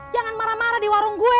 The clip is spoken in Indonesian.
jangan marah marah di warung gue